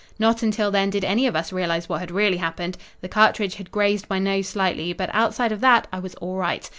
"Not until then did any of us realize what had really happened. The cartridge had grazed my nose slightly, but outside of that I was all right.